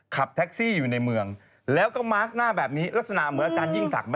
ขับแท็กซี่อยู่ในเมืองแล้วก็มาร์คหน้าแบบนี้ลักษณะเหมือนอาจารยิ่งศักดิ์